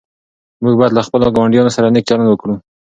موږ باید له خپلو ګاونډیانو سره نېک چلند وکړو.